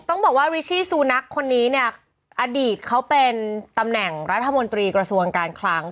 ต้องบอกว่าริชี่ซูนักคนนี้เนี่ยอดีตเขาเป็นตำแหน่งรัฐมนตรีกระทรวงการคลัง